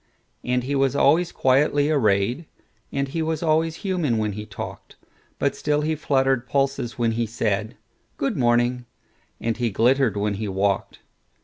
And he was always quietly arrayed, And he was always human when he talked; But still he fluttered pulses when he said,"Good morning," and he glittered when he walked.